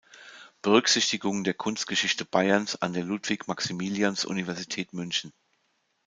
Berücksichtigung der Kunstgeschichte Bayerns" an der Ludwig-Maximilians-Universität München.